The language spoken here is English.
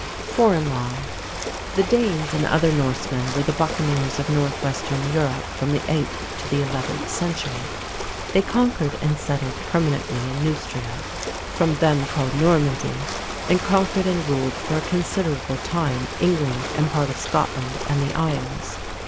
FOREIGN LAW. The Danes and other Norsemen were the buccaneers of northwestern Europe from the eighth to the eleventh century. They conquered and settled permanently in Neustria, from them called Normandy, and conquered and ruled for a considerable time England and part of Scotland and the Isles.